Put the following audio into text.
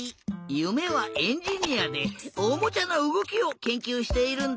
ゆめはエンジニアでおもちゃのうごきをけんきゅうしているんだって！